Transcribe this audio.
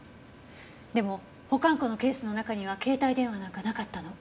でも保管庫のケースの中には携帯電話なんかなかったの。